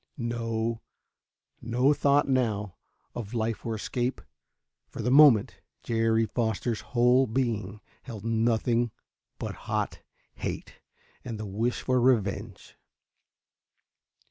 No thought now of life or escape. For the moment, Jerry Foster's whole being held nothing but hot hate, and the wish for revenge.